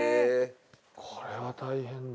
これは大変だ。